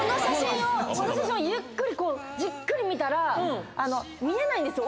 この写真をゆっくりじっくり見たら見えないんですよ。